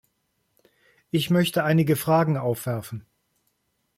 Ich möchte einige Fragen aufwerfen.